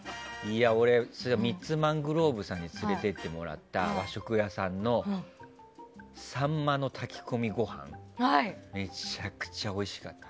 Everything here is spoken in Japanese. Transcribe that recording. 俺ミッツ・マングローブさんに連れて行ってもらった和食屋さんのサンマの炊き込みご飯がめちゃくちゃおいしかった。